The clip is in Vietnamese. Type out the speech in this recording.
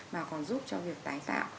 mà còn giúp cho việc tái tạo